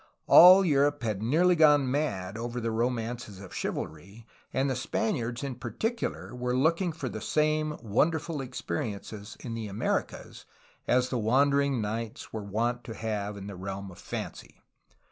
All Europe had nearly gone mad over the romances of chivalry, and the Spaniards in particular were looking for the same wonderful experiences in the Americas as the wandering knights were wont to have in the realm of fancy.